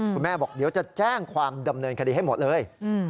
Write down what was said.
บอกเดี๋ยวจะแจ้งความดำเนินคดีให้หมดเลย